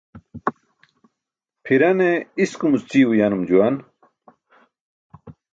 Pʰirane iskumuc ćii uyanum juwan.